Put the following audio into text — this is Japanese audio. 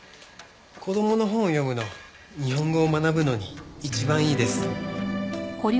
子どもの本を読むの日本語を学ぶのに一番いいです。